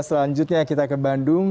selanjutnya kita ke bandung